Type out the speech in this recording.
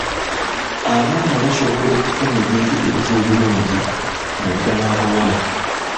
Abaana basobola okufuna ebyenjigiriza ebirungi naddala abawala.